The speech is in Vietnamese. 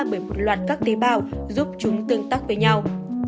bởi một loạt các tế bào giúp chúng tương tác với nhau